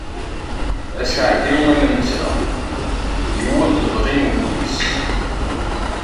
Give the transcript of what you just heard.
Aseɛdi am netta, yewweḍ lebɣi n wul-is.